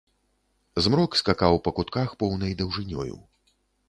Змрок скакаў па кутках поўнай даўжынёю.